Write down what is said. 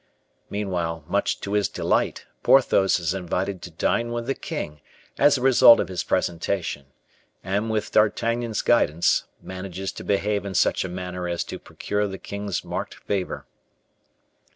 Meanwhile, much to his delight, Porthos is invited to dine with the king as a result of his presentation, and with D'Artagnan's guidance, manages to behave in such a manner as to procure the king's marked favor.